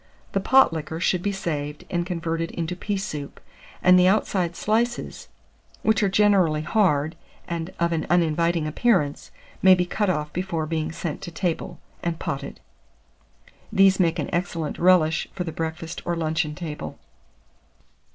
The pot liquor should be saved, and converted into pea soup; and the outside slices, which are generally hard, and of an uninviting appearance, may be out off before being sent to table, and potted. These make an excellent relish for the breakfast or luncheon table.